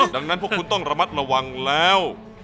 ดังนั้นพวกคุณต้องระมัดระวังแล้ว